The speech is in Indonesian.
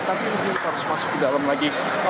tapi mungkin harus masuk ke dalam lagi